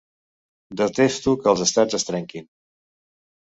Detesto que els estats es trenquin.